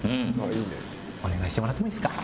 お願いしてもらってもいいですか？